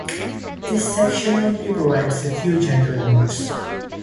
This section only provides a few general notes.